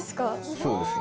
そうですね。